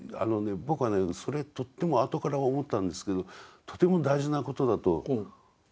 僕はねそれとっても後から思ったんですけどとても大事なことだと思うんです。